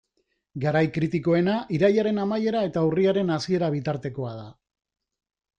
Garai kritikoena irailaren amaiera eta urriaren hasiera bitartekoa da.